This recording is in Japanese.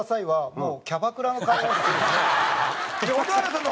もう。